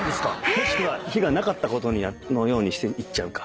もしくは火がなかったことのようにしていっちゃうか。